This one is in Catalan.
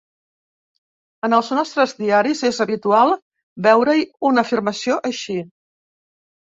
En els nostres diaris és habitual veure-hi una afirmació així.